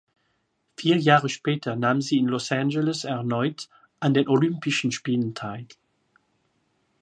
Vier Jahre später nahm sie in Los Angeles erneut an den Olympischen Spielen teil.